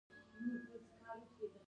له ماښامه، تر سهاره